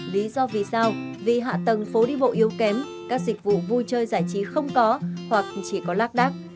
lý do vì sao vì hạ tầng phố đi bộ yếu kém các dịch vụ vui chơi giải trí không có hoặc chỉ có lác đác